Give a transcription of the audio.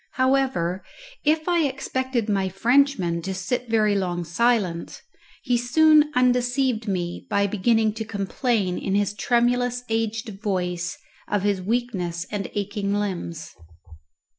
However, if I expected my Frenchman to sit very long silent, he soon undeceived me by beginning to complain in his tremulous aged voice of his weakness and aching limbs.